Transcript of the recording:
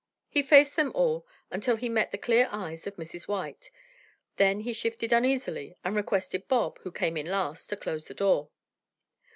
He faced them all until he met the clear eyes of Mrs. White, then he shifted uneasily and requested Bob, who came in last, to close the door.